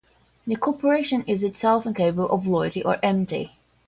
The corporation is itself incapable of loyalty or enmity.